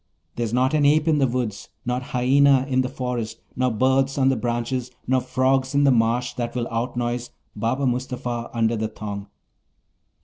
There's not an ape in the woods, nor hyaena in the forest, nor birds on the branches, nor frogs in the marsh that will outnoise Baba Mustapha under the thong!